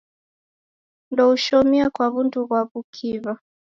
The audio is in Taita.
Ndoushomie kwa wundu ghwa w'ukiw'a.